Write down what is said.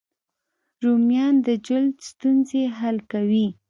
رومیان د جلد ستونزې حل کوي